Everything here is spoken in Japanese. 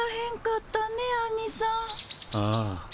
ああ。